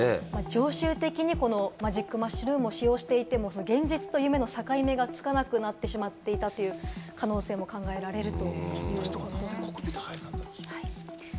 常習的にマジックマッシュルームを使用していて、現実と夢の境目がつかなくなってしまっていた可能性も考えられるということですね。